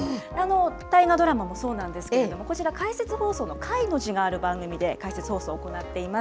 大河ドラマもそうなんですけれども、こちら、解説放送の解の字がある番組で解説放送、行っています。